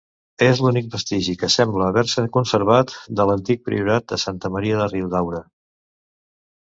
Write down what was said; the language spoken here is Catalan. És l'únic vestigi que sembla haver-se conservat de l'antic priorat de Santa Maria de Riudaura.